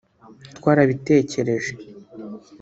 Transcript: twarabitekereje